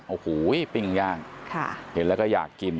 โอ้โหปิ้งย่างเห็นแล้วก็อยากกิน